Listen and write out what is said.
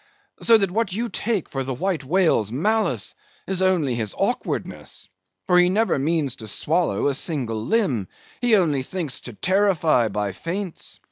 So that what you take for the White Whale's malice is only his awkwardness. For he never means to swallow a single limb; he only thinks to terrify by feints.